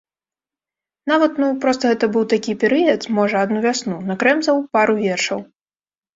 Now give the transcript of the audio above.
Нават, ну, проста гэта быў такі перыяд, можа, адну вясну, накрэмзаў пару вершаў.